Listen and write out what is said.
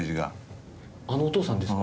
あのお父さんですか？